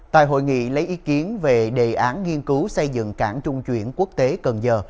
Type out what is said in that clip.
tại hội nghị lấy ý kiến về đề án nghiên cứu xây dựng cảng trung chuyển quốc tế cần giờ